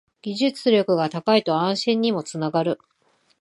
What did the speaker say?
技術力が高いと安心にもつながる